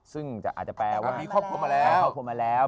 ซึ่งอาจจะแปลว่ามีครอบครัวมาแล้ว